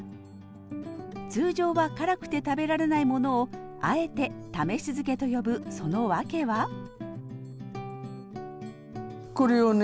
通常は辛くて食べられないものをあえて試し漬けと呼ぶその訳はこれをね